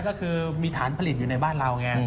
ก็คือมีฐานผลิตอยู่ในบ้านเราไง